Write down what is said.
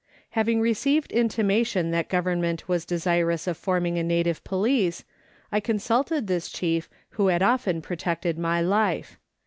Having received intimation that Government was desirous of forming a native police, I consulted this chief who had often protected my life.